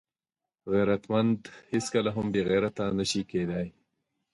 غیرتمند هیڅکله هم بېغیرته نه شي کېدای